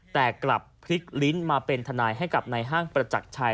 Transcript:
แต่กลับพลิกลิ้นมาเป็นทนายให้กับในห้างประจักรชัย